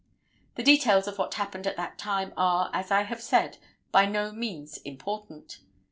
The details of what happened at that time are, as I have said, by no means important.